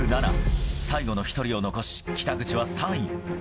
最後の１人を残し、北口は３位。